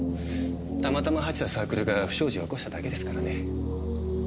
たまたま入ってたサークルが不祥事を起こしただけですからね。